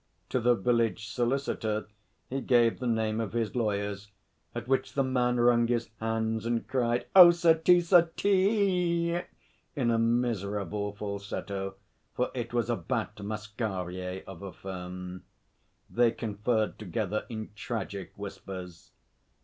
To the village solicitor he gave the name of his lawyers, at which the man wrung his hands and cried, 'Oh, Sir T., Sir T.!' in a miserable falsetto, for it was a Bat Masquerier of a firm. They conferred together in tragic whispers.